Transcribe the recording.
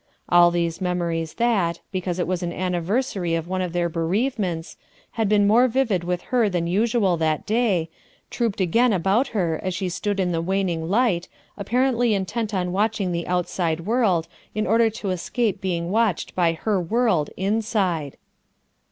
All these memories that, because it was an anniversary of one of her bereavements, had been more vivid with her than usual that day, trooped again about her as she stood in the waning light, apparently intent on watching the outside world, in order to escape being watched by her world, inside.